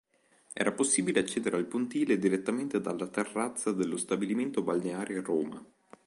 Era possibile accedere al pontile direttamente dalla terrazza dello Stabilimento balneare Roma.